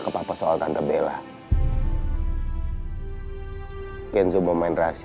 kenapa tadi tante bella gak mau nanya allah apa di situ